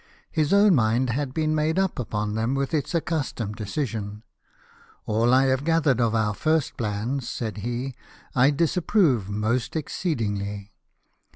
His own mind had been made up upon them with its accustomed decision. 'All I have gathered of our first plans," said he, "I dis approve most exceedingly.